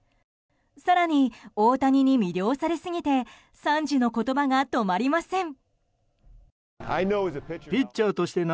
更に大谷に魅了されすぎて賛辞の言葉が止まりません。